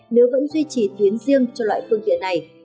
nếu vẫn duy trì tuyến riêng cho loại phương tiện này